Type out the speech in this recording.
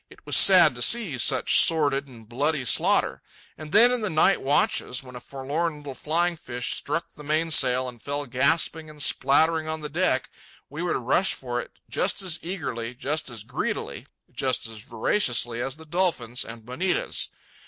It was sad to see such sordid and bloody slaughter. And then, in the night watches, when a forlorn little flying fish struck the mainsail and fell gasping and splattering on the deck, we would rush for it just as eagerly, just as greedily, just as voraciously, as the dolphins and bonitas.